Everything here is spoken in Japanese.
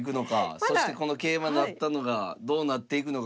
そしてこの桂馬成ったのがどうなっていくのか。